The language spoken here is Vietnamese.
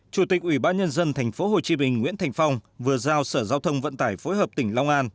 chủ tịch ủy ban nhân dân thành phố hồ chí minh nguyễn thành phong vừa giao sở giao thông vận tải phối hợp tỉnh long an